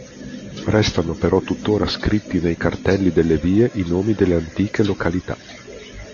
Restano però tuttora scritti nei cartelli delle vie i nomi delle antiche località.